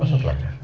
masuk lah mir